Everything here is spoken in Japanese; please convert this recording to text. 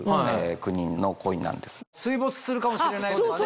水没するかもしれないとかね。